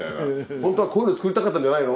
ホントはこういうの作りたかったんじゃないの？